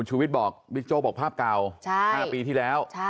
ชุวิตบอกว่าบิ๊กโจ๊กบอกภาพเก่า๕ปีที่แล้ว